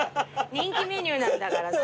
人気メニューなんだからさ。